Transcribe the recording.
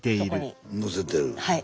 載せてる。